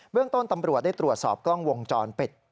เรื่องต้นตำรวจได้ตรวจสอบกล้องวงจรปิด